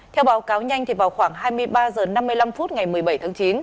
theo báo cáo nhanh vào khoảng hai mươi ba h năm mươi năm phút ngày một mươi bảy tháng chín